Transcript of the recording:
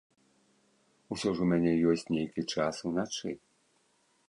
Усё ж у мяне ёсць нейкі час уначы.